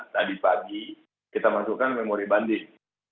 tadi pagi kita masukkan memori banding